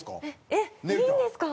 えっいいんですか？